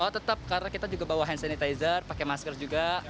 tetap karena kita juga bawa hand sanitizer pakai masker juga